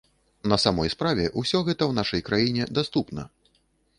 На самой справе, усё гэта ў нашай краіне даступна.